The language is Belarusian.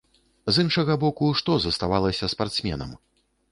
З іншага боку, што заставалася спартсменам?